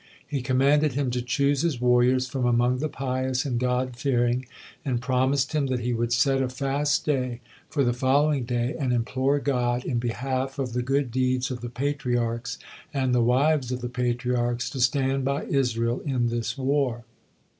He commanded him to choose his warriors from among the pious and God fearing, and promised him that he would set a fast day for the following day, and implore God, in behalf of the good deeds of the Patriarchs and the wives of the Patriarchs, to stand by Israel in this war.